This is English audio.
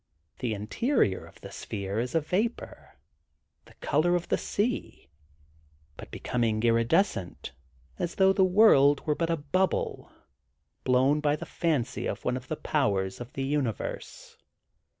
The interior of the sphere is a vapor, the color of the sea, but be coming iridescent as though the world were but a bubble blown by the fancy of one of the powers of the universe.